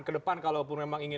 kedepan kalau memang ingin